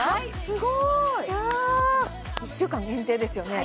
すごい！１週間限定ですよね？